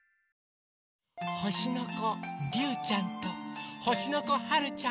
ほしのこりゅうちゃんとほしのこはるちゃん。